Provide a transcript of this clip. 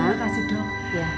terima kasih dok